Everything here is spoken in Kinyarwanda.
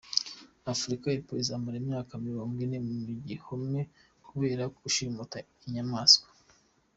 Afurika y’Epfo Azamara imyaka mirongo ine mu gihome kubera gushimuta inyamaswa